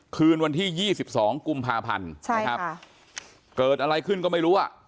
คืนวันที่๒๒กุมภาพันธ์ใช่ครับเกิดอะไรขึ้นก็ไม่รู้อ่ะ